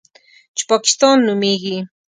چې پاکستان نومېږي.